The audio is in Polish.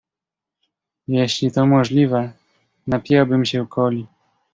Jeśli to możliwe, napiłabym się Coli.